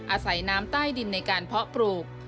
อาศัยน้ำใต้ดินในการเพาะปลูก